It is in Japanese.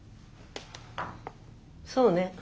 そうね。